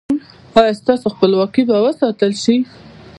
ایا ستاسو خپلواکي به وساتل شي؟